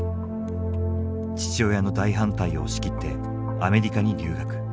父親の大反対を押し切ってアメリカに留学。